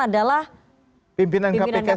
adalah pimpinan kpk pimpinan kpk